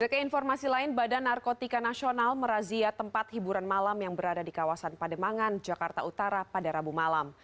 keinformasi lain badan narkotika nasional merazia tempat hiburan malam yang berada di kawasan pademangan jakarta utara pada rabu malam